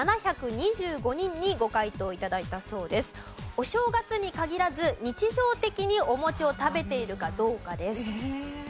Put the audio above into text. お正月に限らず日常的にお餅を食べているかどうかです。